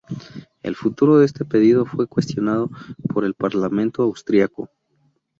El futuro de este pedido fue cuestionado por el Parlamento austriaco.